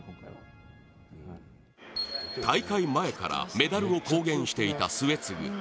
大会前からメダルを公言していた末續。